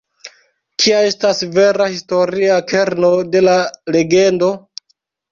Kia estas vera historia kerno de la legendo?